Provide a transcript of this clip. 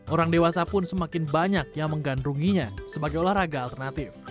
orang dewasa pun semakin banyak yang menggandrunginya sebagai olahraga alternatif